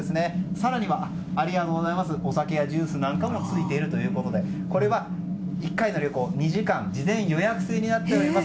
更にはお酒やジュースもついているということでこれは、１回の旅行２時間事前予約制になっています。